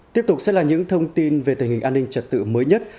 tiếp tục sẽ là những thông tin về tình hình an ninh trật tự mới nhất